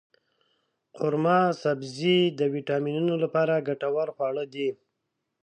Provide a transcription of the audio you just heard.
قورمه سبزي د ویټامینونو لپاره ګټور خواړه دی.